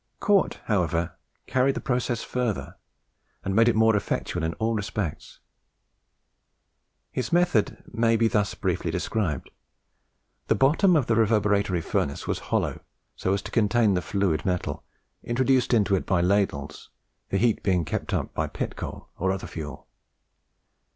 Cort, however, carried the process further, and made it more effectual in all respects. His method may be thus briefly described: the bottom of the reverberatory furnace was hollow, so as to contain the fluid metal, introduced into it by ladles; the heat being kept up by pit coal or other fuel.